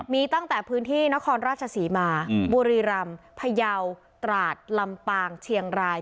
มีตั้งแต่พื้นที่นครราชศรีมาบุรีรำพยาวตราดลำปางเชียงราย